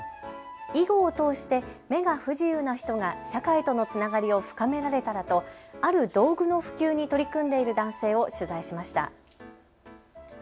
囲碁を通して目が不自由な人が社会とのつながりを深められたらとある道具の普及に取り組んでいる男性を取材しました。